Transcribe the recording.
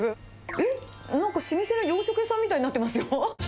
えっ、なんか老舗の洋食屋さんみたいになってますよ。